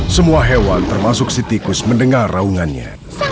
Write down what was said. semua hewan termasuk sitikus mendengar raungannya